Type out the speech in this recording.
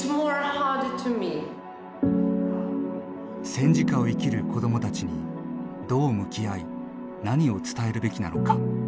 戦時下を生きる子どもたちにどう向き合い何を伝えるべきなのか。